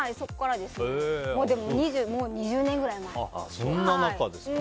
でも、もう２０年くらい前。